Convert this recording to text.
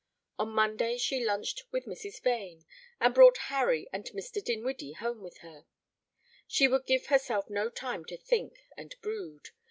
On Monday she lunched with Mrs. Vane and brought "Harry" and Mr. Dinwiddie home with her. She would give herself no time to think and brood.